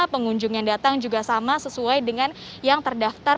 pengunjung yang datang juga sama sesuai dengan yang terdaftar